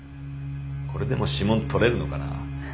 これでも指紋採れるのかな？